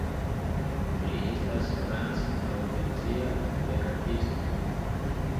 Li estas franc-maŭricia verkisto.